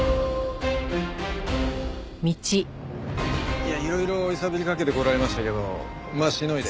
いやいろいろ揺さぶりかけてこられましたけどまあしのいで。